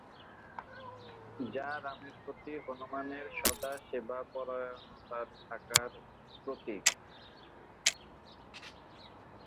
যা রামের প্রতি হনুমানের সদা-সেবাপরায়ণতার থাকার প্রতীক।